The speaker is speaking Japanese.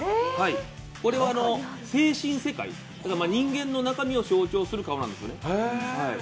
これは精神世界、人間の中身を象徴する顔なんです。